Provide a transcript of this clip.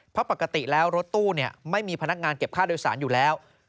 เพราะปกติแล้วรถตู้ไม่มีพนักงานเก็บค่าโดยสารอยู่แล้ว